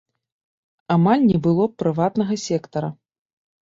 Амаль не было прыватнага сектара.